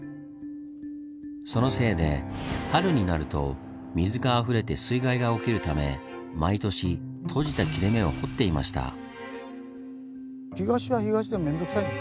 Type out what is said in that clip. そのせいで春になると水があふれて水害が起きるため毎年閉じた切れ目を掘っていました。